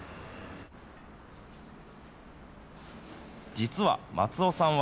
実は松尾さんは、